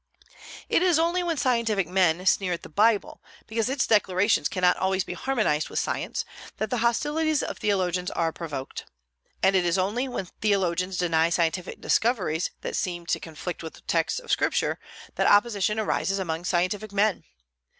It is only when scientific men sneer at the Bible because its declarations cannot always be harmonized with science, that the hostilities of theologians are provoked. And it is only when theologians deny scientific discoveries that seem to conflict with texts of Scripture, that opposition arises among scientific men.